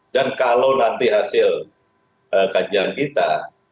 kalau nanti hasil kajian kita